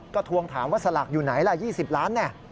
ก็ทวงถามว่าสลากอยู่ไหนล่ะ๒๐ล้านเนี่ย